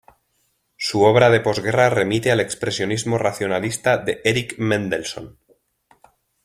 Su obra de posguerra remite al expresionismo racionalista de Erich Mendelsohn.